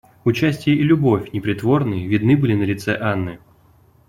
Участие и любовь непритворные видны были на лице Анны.